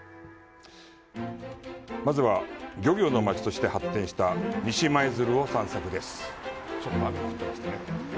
まずは、漁業の町として発展した西舞鶴を散策です。